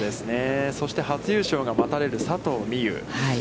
そして初優勝が待たれる佐藤心結。